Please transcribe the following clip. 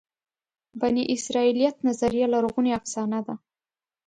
بني اسرائیلیت نظریه لرغونې افسانه ده.